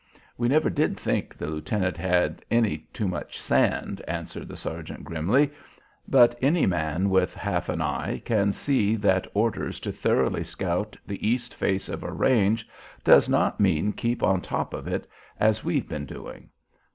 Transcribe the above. "We never did think the lieutenant had any too much sand," answered the sergeant, grimly; "but any man with half an eye can see that orders to thoroughly scout the east face of a range does not mean keep on top of it as we've been doing.